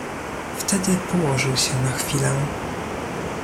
"Wtedy położył się na chwilę."